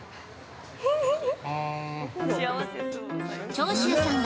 長州さん。